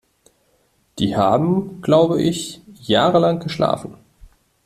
Die haben, glaub ich, jahrelang geschlafen.